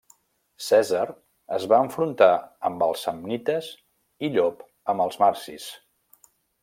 Cèsar es va enfrontar amb els samnites i Llop amb els marsis.